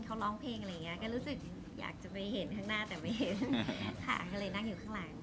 ที่จริงแอบอยู่